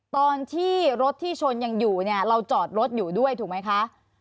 ตอนที่รถที่ชนยังอยู่เนี่ยเราจอดรถอยู่ด้วยถูกไหมคะ